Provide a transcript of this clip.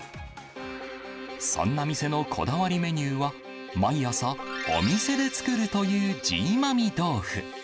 そんな店のこだわりメニューは、毎朝、お店で作るというジーマミ豆腐。